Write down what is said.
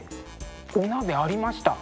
お鍋ありました。